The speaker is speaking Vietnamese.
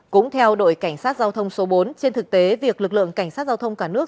cũng theo đội cảnh sát giao thông số bốn trên thực tế việc lực lượng cảnh sát giao thông cả nước